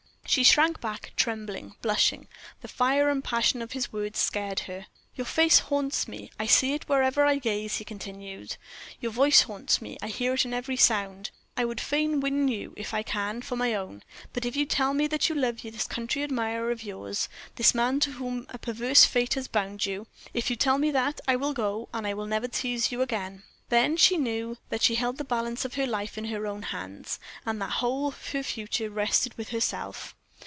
She shrank back, trembling, blushing; the fire and passion of his words scared her. "Your face haunts me; I see it wherever I gaze," he continued. "Your voice haunts me, I hear it in every sound. I would fain win you, if I can, for my own; but if you tell me that you love this country admirer of yours this man to whom a perverse fate has bound you if you tell me that, I will go, and I will never tease you again." Then she knew that she held the balance of her life in her own hands, and that the whole of her future rested with herself.